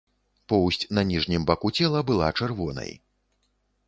Поўсць на ніжнім баку цела была чырвонай.